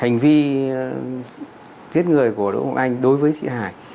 hành vi giết người của đỗ ngọc anh đối với chị hải